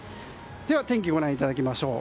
では天気をご覧いただきましょう。